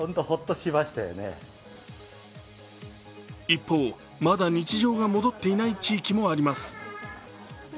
一方、まだ日常が戻っていない地域もあります。